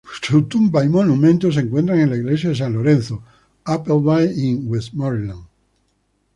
Su tumba y monumento se encuentran en la Iglesia de San Lorenzo, Appleby-in-Westmorland.